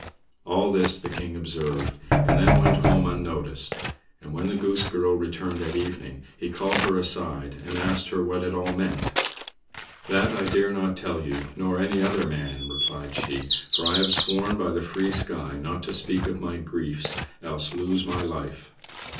All this the King observed, and then went home unnoticed; and when the Goose Girl returned at evening, he called her aside, and asked her what it all meant. "That I dare not tell you, nor any other man," replied she; "for I have sworn by the free sky not to speak of my griefs, else lose my life."